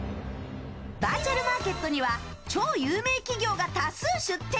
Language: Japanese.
バーチャルマーケットには超有名企業が多数出展。